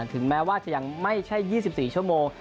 ถึงแม้ว่าจะยังไม่ใช่๒๔ชั่วโมง